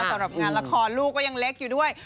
สำหรับงานละครลูกก็ยังเล็กอยู่ด้วย